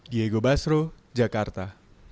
diego basro jakarta